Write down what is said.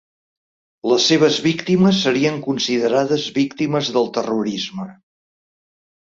Les seves víctimes serien considerades víctimes del terrorisme.